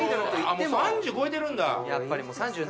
３０超えてるんだ。